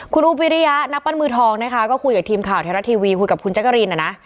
คุณอุ๊บวิริยะนักปั้นมือทองนะคะก็คุยกับทีมข่าวไทยรัฐทีวีคุยกับคุณแจ๊กกะรีนนะนะ